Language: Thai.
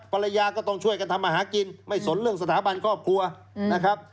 ภรรยาก็ต้องช่วยกันทำมาหากินไม่สนเรื่องสถาบันครอบครัวนะครับ